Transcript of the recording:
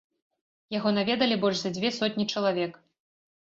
Яго наведалі больш за дзве сотні чалавек.